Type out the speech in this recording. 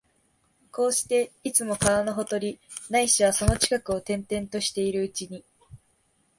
こうして、いつも川のほとり、ないしはその近くを転々としているうちに、